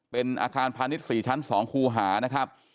เป็นอาคารพาณิชย์๔ชั้น๒คูหานะครับ